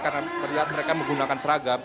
karena mereka menggunakan seragam